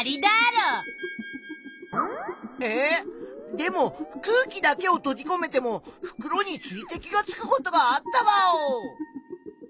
でも空気だけをとじこめても袋に水滴がつくことがあったワオ！